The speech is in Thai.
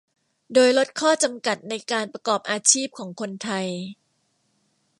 โดยลดข้อจำกัดในการประกอบอาชีพของคนไทย